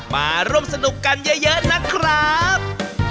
มาร่วมสนุกกันเยอะนะครับ